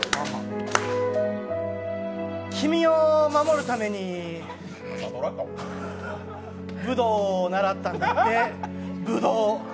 君を守るために武道を習ったんだってぶどう。